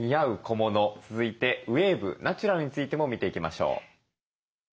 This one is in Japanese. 続いてウエーブナチュラルについても見ていきましょう。